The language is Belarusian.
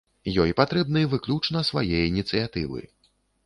Ёй патрэбны выключна свае ініцыятывы.